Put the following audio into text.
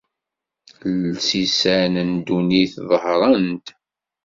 Lsisan n ddunit ḍehren-d.